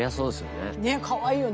ねっかわいいよね。